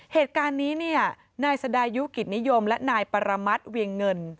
เหตุการณ์นี้เนี่ยนายสดายุกิจนิยมและนายปรมัติเวียงเงิน